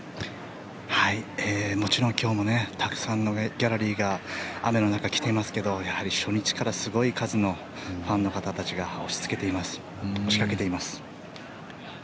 もちろん今日もたくさんのギャラリーが雨の中、来ていますけどやはり初日からすごい数のファンの人たちが押しかけています。